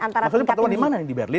maksudnya pertemuan dimana nih di berlin